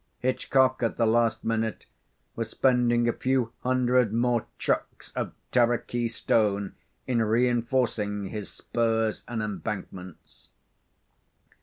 Hitchcock at the last minute was spending a few hundred more trucks of Tarakee stone in reinforcing his spurs and embankments.